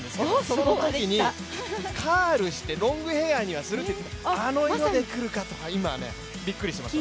そのときに、カールして、ロングヘアにするとは言っていたんですがあの色で来るかと今、びっくりしています、私。